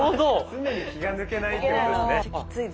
常に気が抜けないってことですね。